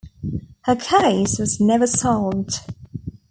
Her case was never solved.